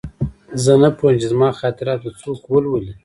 زه نه پوهېږم چې زما خاطرات به څوک ولولي